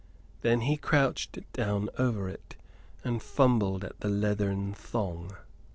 Then he crouched down over it and fumbled at the leathern thong.